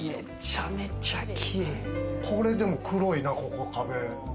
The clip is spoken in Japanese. これでも黒いな、壁。